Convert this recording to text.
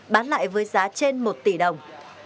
bán lại với giá trên một tỷ đồng